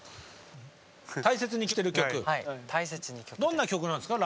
どんな曲なんですか？